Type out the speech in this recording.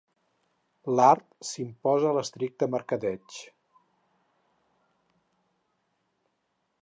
L'art s'imposa a l'estricte mercadeig.